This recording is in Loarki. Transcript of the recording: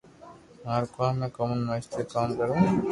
ماروڪوم ھي ڪومن وائس تي ڪوم ڪروُ